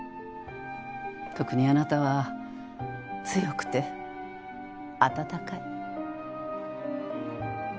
特にあなたは強くて温かい。